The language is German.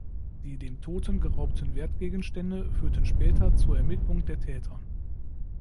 Die dem Toten geraubten Wertgegenstände führten später zur Ermittlung der Täter.